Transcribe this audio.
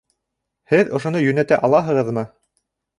Һеҙ ошоно йүнәтә алаһығыҙмы?